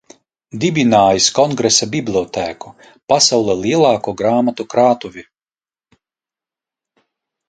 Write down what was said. Dibinājis Kongresa bibliotēku – pasaulē lielāko grāmatu krātuvi.